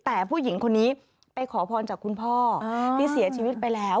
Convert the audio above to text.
แต่ผู้หญิงคนนี้ไปขอพรจากคุณพ่อที่เสียชีวิตไปแล้ว